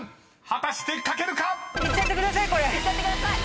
［果たして書けるか⁉］いっちゃってください。